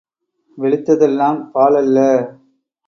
வெளுத்ததெல்லாம் பாலல்ல.